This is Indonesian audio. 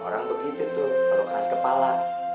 orang begitu tuh perlu keras kepala